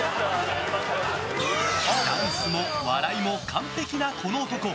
ダンスも笑いも完璧なこの男。